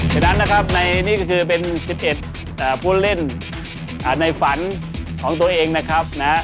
ฉะนั้นนะครับในนี่ก็คือเป็น๑๑ผู้เล่นในฝันของตัวเองนะครับ